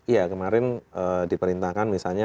iya kemarin diperintahkan misalnya